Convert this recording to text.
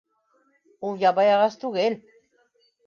Ул ябай ағас түгел.